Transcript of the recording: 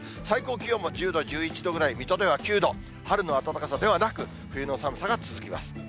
最高気温も１０度、１１度ぐらい、水戸では９度、春の暖かさではなく、冬の寒さが続きます。